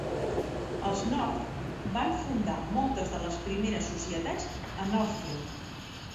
Els North van fundar moltes de les primeres societats a Northfield.